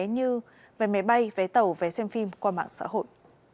như vé máy bay vé tàu vé xem phim qua mạng xã hội